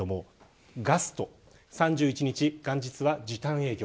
ガストは３１日元日は時短営業。